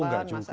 oh nggak juga